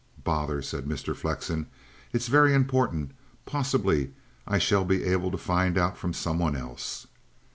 "Bother!" said Mr. Flexen. "It's very important. Possibly I shall be able to find out from some one else."